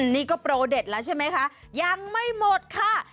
นี่ก็โปรเด็ดแล้วใช่ไหมคะยังไม่หมดค่ะ